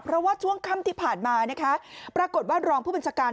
เพราะว่าช่วงค่ำที่ผ่านมานะคะปรากฏว่ารองผู้บัญชาการ